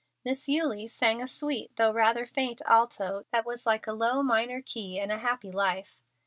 Miss Eulie sang a sweet though rather faint alto that was like a low minor key in a happy life.